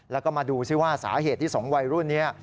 แล้วก็มาดูซิว่าสาเหตุที่๒วัยรุ่นนี้